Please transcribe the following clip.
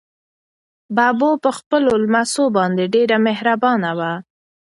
ببو په خپلو لمسو باندې ډېره مهربانه وه.